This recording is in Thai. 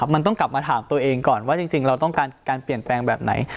มันต้องกลับมาถามตัวเองก่อนว่าจริงเราต้องการการเปลี่ยนแปลงแบบไหน